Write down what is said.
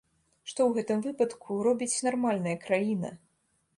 Што ў гэтым выпадку робіць нармальная краіна?